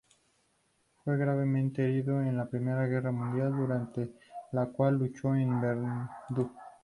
Fue gravemente herido en la Primera Guerra Mundial, durante la cual luchó en Verdún.